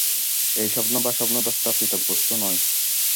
ঐ স্বপ্ন বা স্বপ্নদ্রষ্টা পৃথক বস্তু নয়।